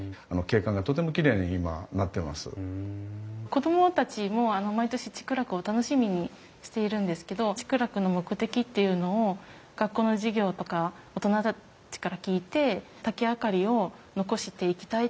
子供たちも毎年竹楽を楽しみにしているんですけど竹楽の目的っていうのを学校の授業とか大人たちから聞いて竹明かりを残していきたい